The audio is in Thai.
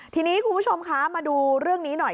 ทีนี้คุณผู้ชมคะมาดูเรื่องนี้หน่อย